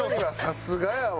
さすがやわ。